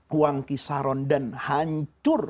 kuangkisaron dan hancur